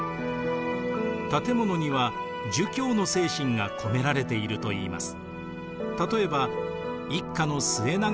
建物には儒教の精神が込められているといいます。